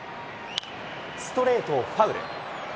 ストレートをファウル。